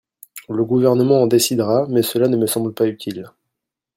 Le Gouvernement en décidera, mais cela ne me semble pas utile.